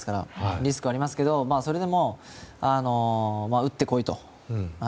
リスクはありますけどそれでも打って来いと。